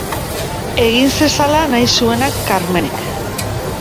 Egin zezala nahi zuena Karmenek.